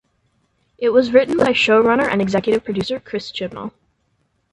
It was written by showrunner and executive producer Chris Chibnall.